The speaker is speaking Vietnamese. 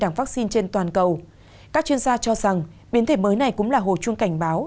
đẳng vaccine trên toàn cầu các chuyên gia cho rằng biến thể mới này cũng là hồ chung cảnh báo